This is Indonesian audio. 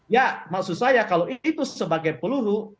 ya maksud saya kalau itu sebagai peluru